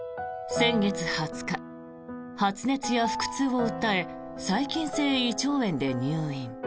先月２０日、発熱や腹痛を訴え細菌性胃腸炎で入院。